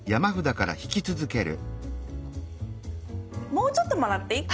もうちょっともらっていい？